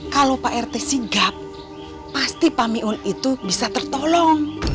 kalau pak rt sigap pasti pamiun ⁇ itu bisa tertolong